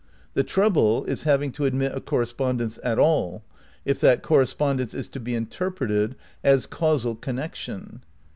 The trouble is having to admit a correspondence at all, if that correspondence is to be interpreted as causal connection.